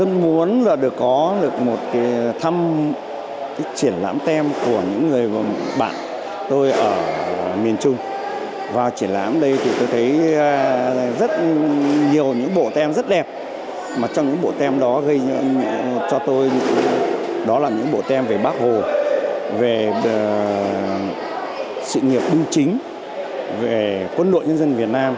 tôi thấy rất nhiều những bộ tem rất đẹp mà trong những bộ tem đó gây cho tôi đó là những bộ tem về bác hồ về sự nghiệp binh chính về quân đội nhân dân việt nam